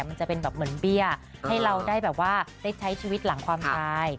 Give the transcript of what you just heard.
มันจะเป็นเหมือนเบี้ยให้เราได้ใช้ชีวิตหลังความตาย